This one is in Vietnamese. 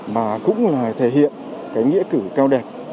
mà cũng là thể hiện nghĩa cử cao đẹp